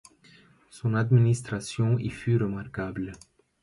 Son administration y fut remarquable.